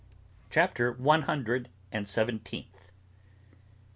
CHAPTER THE ONE HUNDRED AND SEVENTEENTH.